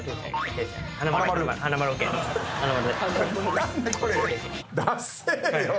何でこれ？